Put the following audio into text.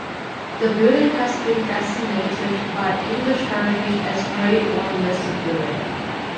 The building has been designated by English Heritage as a Grade One listed building.